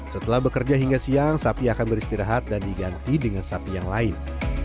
setelah bekerja hingga siang sapi akan beristirahat dan diganti dengan sapi yang lain